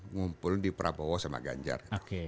ngumpul di prabowo sama ganjar